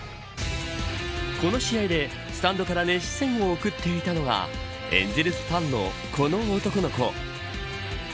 この試合で、スタンドから熱視線を送っていたのがエンゼルスファンのこの男の子。